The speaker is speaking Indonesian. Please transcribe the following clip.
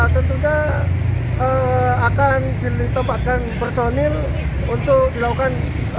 tentunya akan dilipatkan personil untuk dilakukan